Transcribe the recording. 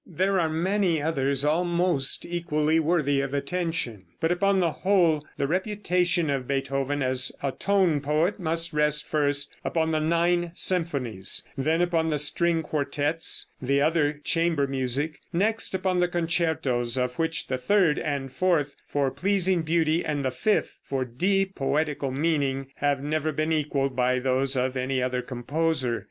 There are many others almost equally worthy of attention. But upon the whole, the reputation of Beethoven as a tone poet must rest first upon the nine symphonies; then upon the string quartettes and other chamber music; next upon the concertos, of which the third and fourth for pleasing beauty, and the fifth for deep poetical meaning, have never been equaled by those of any other composer.